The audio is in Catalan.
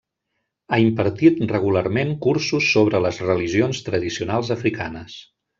Ha impartit regularment cursos sobre les religions tradicionals africanes.